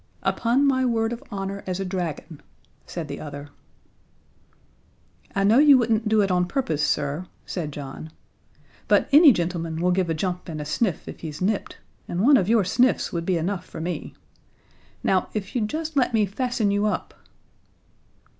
"Upon my word of honor as a dragon," said the other. "I know you wouldn't do it on purpose, sir," said John, "but any gentleman will give a jump and a sniff if he's nipped, and one of your sniffs would be enough for me. Now, if you'd just let me fasten you up?"